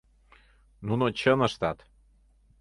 Нуно чын ыштат.